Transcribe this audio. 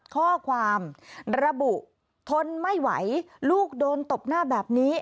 ข้อความระบุทนไม่ไหวลูกโดนตบหน้าแบบนี้